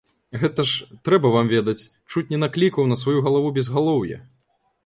Гэта ж, трэба вам ведаць, чуць не наклікаў на сваю галаву безгалоўя.